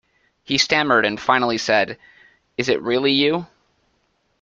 He stammered and finally said, "is it really you?".